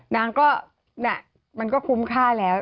นางก็มันก็คุ้มค่าแล้ว